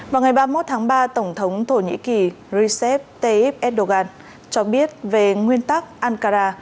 vào ngày ba mươi một tháng ba tổng thống thổ nhĩ kỳ recep tayyip erdogan cho biết về nguyên tắc ankara